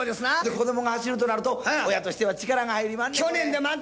子どもが走るとなると、親としては力が入りまんねん。